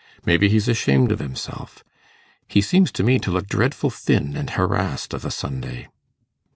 Maybe he's ashamed of himself. He seems to me to look dreadful thin an' harassed of a Sunday.